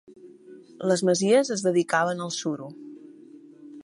Les masies es dedicaven al suro.